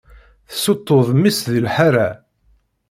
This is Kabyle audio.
Tessuṭṭuḍ mmi-s di lḥaṛa.